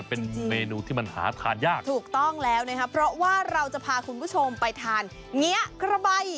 เป็นเมนูที่มันหาทานยากถูกต้องแล้วนะครับเพราะว่าเราจะพาคุณผู้ชมไปทานเงี้ยกระใบ